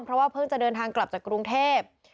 เพราะว่าเพิ่งจะเดินทางกลับจากกรุงเทพ